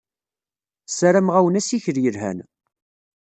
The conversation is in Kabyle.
Ssarameɣ-awen assikel yelhan.